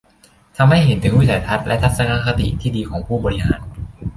ทำให้เห็นถึงวิสัยทัศน์และทัศนคติที่ดีของผู้บริหาร